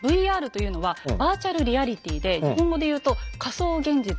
「ＶＲ」というのはバーチャルリアリティーで日本語で言うと「仮想現実」。